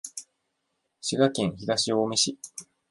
滋賀県東近江市